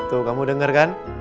tuh kamu denger kan